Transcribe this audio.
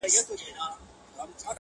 گراني ددې وطن په ورځ كي توره شپـه راځي.